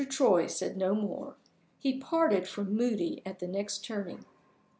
Troy said no more: he parted from Moody at the next turning.